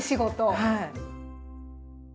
はい。